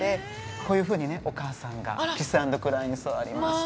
こういうふうにねお母さんがキスアンドクライに座りまして。